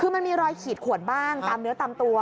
คือมันมีรอยขีดขวนบ้างตามเนื้อตามตัว